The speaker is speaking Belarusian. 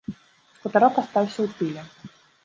Хутарок астаўся ў тыле.